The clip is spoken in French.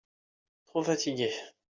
Trop fatigué.